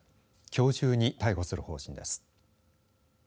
きょう中に逮捕する方針です。